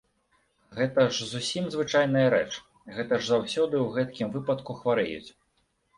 Гэта ж зусім звычайная рэч, гэта ж заўсёды ў гэткім выпадку хварэюць.